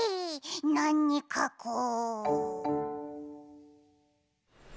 なにかこう？